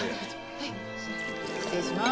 はい失礼します。